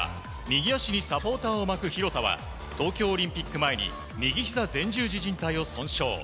右足にサポーターを巻く廣田は東京オリンピック前に右ひざ前十字じん帯を損傷。